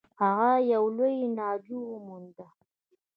هغه یو لوی ناجو و موند.